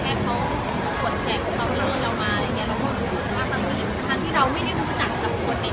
เราจะในความรักกันไม่ได้ไปทำกระทบกับคนอื่น